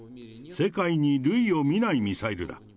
世界に類を見ないミサイルだ。